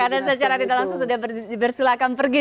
karena secara tidak langsung sudah bersilakan pergi